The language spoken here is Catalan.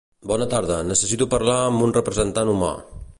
Bona tarda, necessito parlar amb un representant humà.